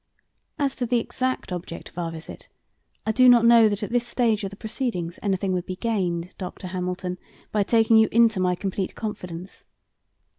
As to the exact object of our visit, I do not know that at this stage of the proceedings anything would be gained, Dr. Hamilton, by taking you into my complete confidence.